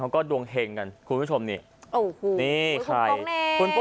เขาก็ดวงเห็งกันคุณผู้ชมนี่โอ้โหนี่ใครคุณปู่